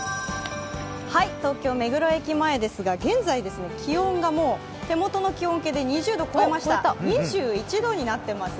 東京・目黒駅前ですが気温がもう手元の気温計で２０度を超えました、２１度になっています。